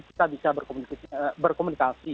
kita bisa berkomunikasi